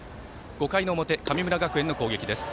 ５回の表、神村学園の攻撃です。